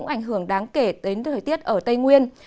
ảnh hưởng đáng kể đến thời tiết ở tây nguyên